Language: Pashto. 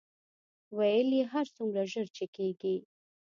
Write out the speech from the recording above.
ویل یې هر څومره ژر چې کېږي.